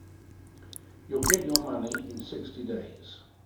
You'll get your money in sixty days.